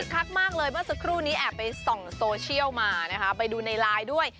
คักมากเลยเมื่อสักครู่นี้แอบไปส่องโซเชียลมานะคะไปดูในไลน์ด้วย